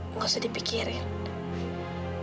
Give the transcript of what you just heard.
enggak usah dipikirin